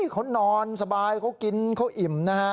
เขานอนสบายเขากินเขาอิ่มนะฮะ